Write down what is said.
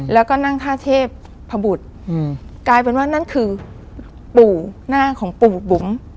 แล้วก็นั่งท่าเทพพบุตรกลายเป็นว่านั่นคือปู่หน้าของปู่บุ๋ม